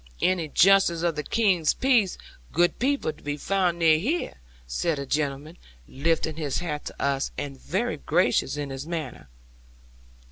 '"Any Justice of the King's Peace, good people, to be found near here?" said the gentleman, lifting his hat to us, and very gracious in his manner.